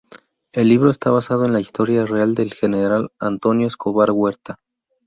El libro está basado en la historia real del general Antonio Escobar Huerta.